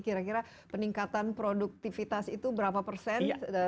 kira kira peningkatan produktivitas itu berapa persen